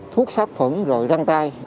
thuốc sát phẩm rồi răng tay